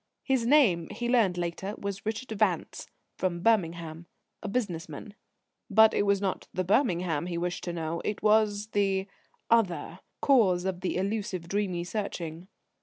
His name, he learned later, was Richard Vance; from Birmingham; a business man. But it was not the Birmingham he wished to know; it was the other: cause of the elusive, dreamy searching.